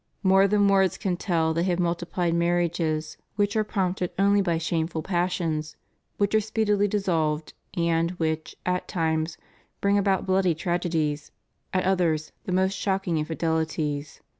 More than words can tell they have multiplied marriages which are prompted only by shameful passions, which are speedily dissolved, and which, at times, bring about bloody tragedies, at others the most shocking infideUties.